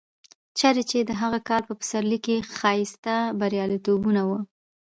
چېرې چې د هغه کال په پسرلي کې ښایسته بریالیتوبونه و.